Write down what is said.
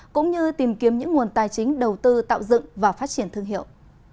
cũng như tìm kiếm những nguồn tài chính đầu tư tạo dựng và phát triển thương hiệu